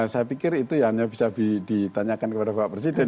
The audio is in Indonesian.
saya pikir itu hanya bisa ditanyakan kepada pak presiden